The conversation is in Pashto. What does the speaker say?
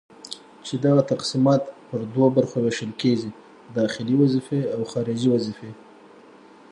چي دغه تقسيمات پر دوو برخو ويشل کيږي:داخلي وظيفي او خارجي وظيفي